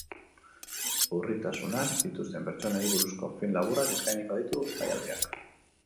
Urritasunak dituzten pertsonei buruzko film laburrak eskainiko ditu jaialdiak.